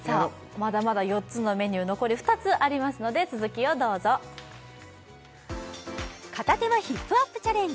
まだまだ４つのメニュー残り２つありますので続きをどうぞ片手間ヒップアップチャレンジ